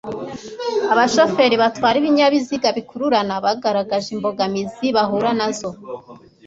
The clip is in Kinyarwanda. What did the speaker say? Abashoferi batwara ibinyabiziga bikururana bagaragaje imbogamizi bahura nazo